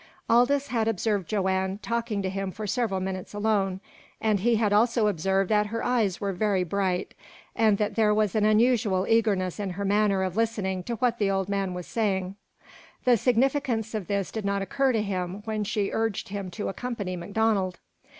Aldous had observed Joanne talking to him for several minutes alone, and he had also observed that her eyes were very bright, and that there was an unusual eagerness in her manner of listening to what the old man was saying. The significance of this did not occur to him when she urged him to accompany MacDonald.